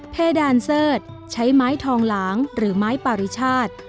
เพดานเสิร์ชใช้ไม้ทองหลางหรือไม้ปาริชาติ